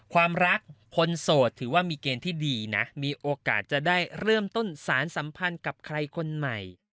ความรักคนโสดถือว่ามีเกณฑ์ที่ดีนะมีโอกาสจะได้เริ่มต้นสารสัมพันธ์กับใครคนใหม่